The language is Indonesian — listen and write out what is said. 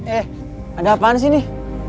eh ada apaan sih nih